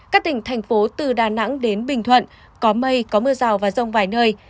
các tỉnh thành phố từ đà nẵng đến bình thuận có mây có mưa rào và rông vài nơi